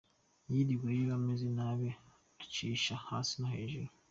Yiriweyo ameze nabi acisha hasi no hejuru.